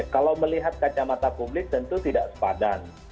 kalau melihat kacamata publik tentu tidak sepadan